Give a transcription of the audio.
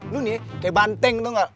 lu ini kayak banteng tau nggak